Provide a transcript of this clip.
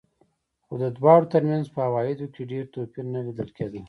خو د دواړو ترمنځ په عوایدو کې ډېر توپیر نه لیدل کېده.